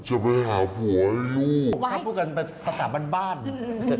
เขาพูดกันแบบภาษาบรรดิบ้านบ้าน